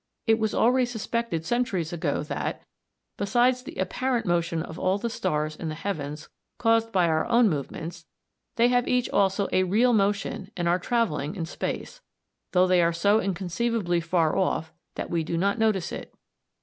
It was already suspected centuries ago that, besides the apparent motion of all the stars in the heavens caused by our own movements, they have each also a real motion and are travelling in space, though they are so inconceivably far off that we do not notice it.